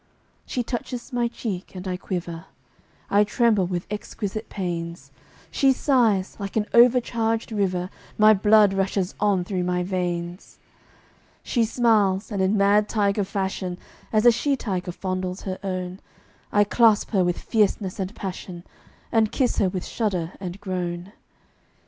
She touches my cheek, and I quiver I tremble with exquisite pains; She sighs like an overcharged river My blood rushes on through my veins', She smiles and in mad tiger fashion, As a she tiger fondles her own, I clasp her with fierceness and passion, And kiss her with shudder and groan.